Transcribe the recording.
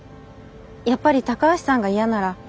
やっぱり高橋さんが嫌なら。